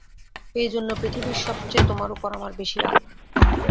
এইজন্য পৃথিবীর সব চেয়ে তোমার উপর আমার বেশি রাগ।